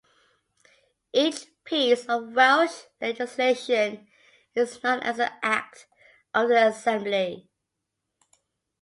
Each piece of Welsh legislation is known as an Act of the Assembly.